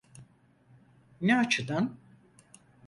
Ne açıdan?